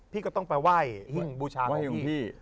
พี่ก็ต้องไปไหว้หิ้งบูชาของพี่